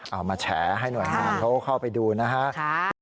อ๋อเอามาแชร์ให้หน่วยงานเข้าไปดูนะครับ